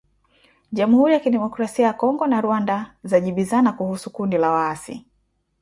Jamhuri ya Kidemokrasia ya Kongo na Rwanda zajibizana kuhusu kundi la waasi